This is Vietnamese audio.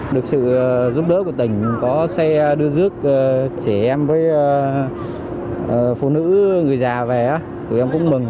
được sự giúp đỡ của tỉnh có xe đưa rước trẻ em với phụ nữ người già về tụi em cũng mừng